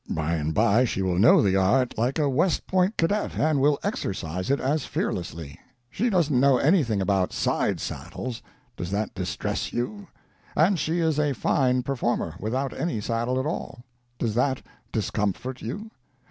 By and by she will know the art like a West Point cadet, and will exercise it as fearlessly. She doesn't know anything about side saddles. Does that distress you? And she is a fine performer, without any saddle at all. Does that discomfort you?